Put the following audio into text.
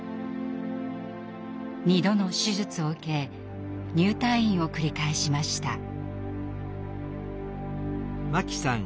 ２度の手術を受け入退院を繰り返しました。